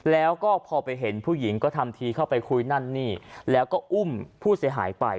แล้วก็พอไปเห็นผู้หญิงก็ทำทีเข้าไปคุยนั่นนี่แล้วก็อุ้มผู้เสียหายไป